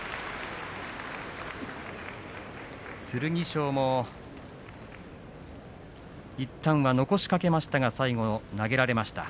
剣翔もいったんは残しかけましたが最後投げられました。